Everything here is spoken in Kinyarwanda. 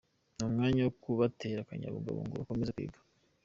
Ni umwanya wo kubatera akanyabugabo ngo bakomeze kwiga.